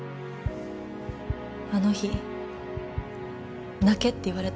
あの日泣けって言われたんです。